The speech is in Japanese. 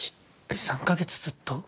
３か月ずっと？